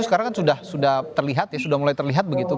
sekarang kan sudah terlihat ya sudah mulai terlihat begitu